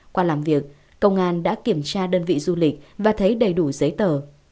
qua làm việc công an đã kiểm tra đơn vị du lịch và thấy đầy đủ giấy tờ